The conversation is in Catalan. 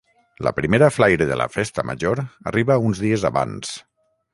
la primera flaire de la festa major arriba uns dies abans